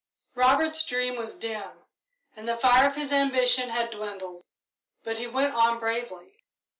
Robert's dream was dim and the fire of his ambition had dwindled, but he went on bravely.